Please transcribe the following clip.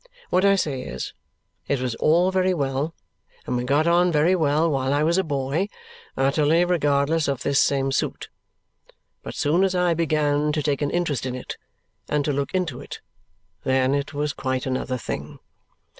What I say is, it was all very well and we got on very well while I was a boy, utterly regardless of this same suit; but as soon as I began to take an interest in it and to look into it, then it was quite another thing.